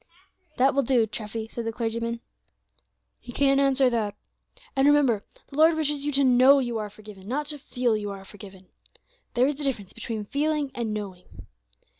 '" "That will do, Treffy," said the clergyman; "he can't answer that. And remember, the Lord wishes you to know you are forgiven, not to feel you are forgiven. There is a difference between feeling and knowing.